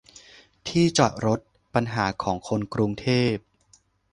ที่จอดรถ ปัญหาของคนกรุงเทพ